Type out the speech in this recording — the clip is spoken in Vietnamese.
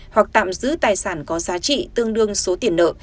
hoặc tạm giữ tài sản có giá trị tương đương số tiền nợ